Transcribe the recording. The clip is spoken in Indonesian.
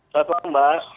selamat malam mbak